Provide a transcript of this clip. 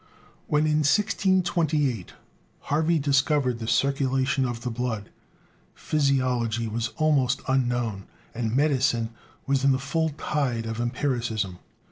When in 1628 Harvey discovered the circulation of the blood, physiology was almost unknown, and medicine was in the full tide of empiricism.